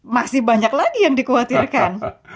masih banyak lagi yang dikhawatirkan